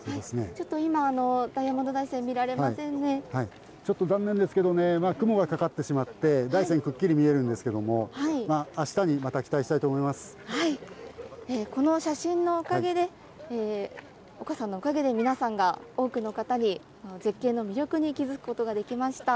ちょっと今、ダイヤモンド大ちょっと残念ですけどね、雲がかかってしまって、大山くっきり見えるんですけども、あしたにこの写真のおかげで、岡さんのおかげで、皆さんが多くの方に、絶景の魅力に気付くことができました。